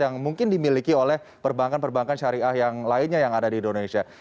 yang mungkin dimiliki oleh perbankan perbankan syariah yang lainnya yang ada di indonesia